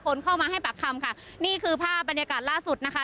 คนเข้ามาให้ปากคำค่ะนี่คือภาพบรรยากาศล่าสุดนะคะ